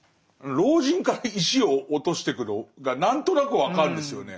老人から石を落としてくのが何となく分かるんですよね。